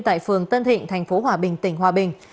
tại phường tân thịnh thành phố hòa bình tỉnh hòa bình